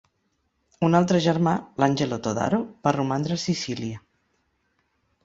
Un altre germà, l'Angelo Todaro, va romandre a Sicília.